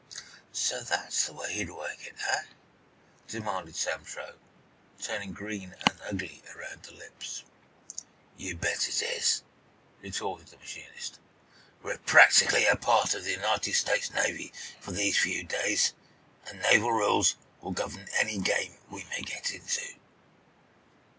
'" "So that's the way he'd work it, eh?" demanded Sam Truax, turning green and ugly around the lips. "You bet it is," retorted the machinist. "We're practically a part of the United States Navy for these few days, and naval rules will govern any game we may get into."